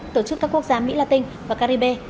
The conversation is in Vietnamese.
tổ chức các quốc gia mỹ la tinh và caribe